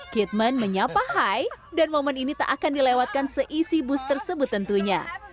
kitman menyapa hai dan momen ini tak akan dilewatkan seisi bus tersebut tentunya